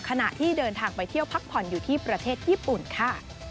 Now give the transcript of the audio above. ขณะที่เดินทางไปเที่ยวพักผ่อนอยู่ที่ประเทศญี่ปุ่นค่ะ